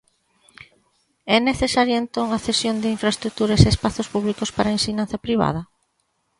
É necesaria entón a cesión de infraestruturas e espazos públicos para a ensinanza privada?